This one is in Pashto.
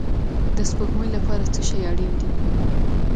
د سپوږمۍ لپاره څه شی اړین دی؟